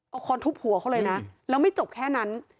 เอาคอนทุบหัวเขาเลยนะแล้วไม่จบแค่นั้น